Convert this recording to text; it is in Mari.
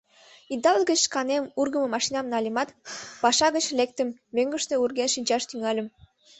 Идалык гыч шканем ургымо машинам нальымат, паша гыч лектым, мӧҥгыштӧ урген шинчаш тӱҥальым.